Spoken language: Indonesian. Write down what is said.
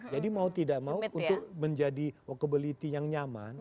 jadi mau tidak mau untuk menjadi walkability yang nyaman